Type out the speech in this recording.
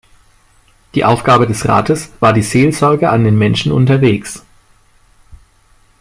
Die Aufgabe des Rates war die "„Seelsorge an den Menschen unterwegs“".